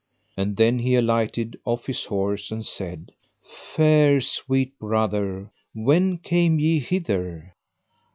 And then he alighted off his horse, and said: Fair sweet brother, when came ye hither?